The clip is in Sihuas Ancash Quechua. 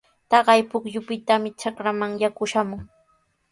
Taqay pukyupitami trakraaman yaku shamun.